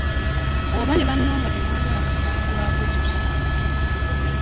Bw'oba ne banno nga temwagala kugambwako zikusanze.